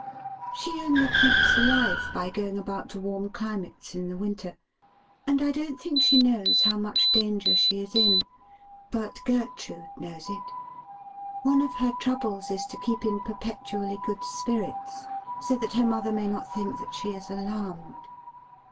' She only keeps alive by going about to warm climates in the winter, and I don't think she knows how much danger she is in. But Gertrude knows it. One of her troubles is to keep in perpetually good spirits, so that her mother may not think that she is alarmed.